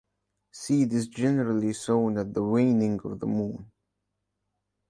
Seed is generally sown at the waning of the moon.